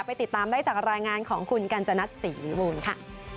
ติดตามได้จากรายงานของคุณกัญจนัทศรีวิบูรณ์ค่ะ